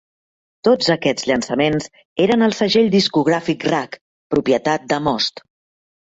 Tots aquests llançaments eren al segell discogràfic Rak, propietat de Most.